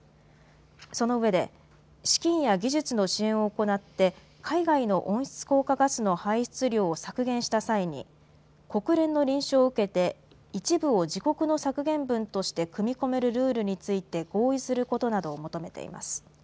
そのうえで資金や技術の支援を行って海外の温室効果ガスの排出量を削減した際に国連の認証を受けて一部を自国の削減分として組み込めるルールについて合意することなどを求めています。